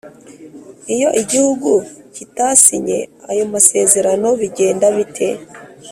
iyo igihugu kitasinye ayo masererano bigenda bite